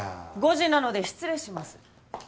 ５時なので失礼します。